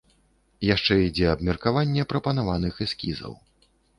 Яшчэ ідзе абмеркаванне прапанаваных эскізаў.